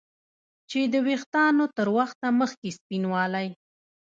چې د ویښتانو تر وخته مخکې سپینوالی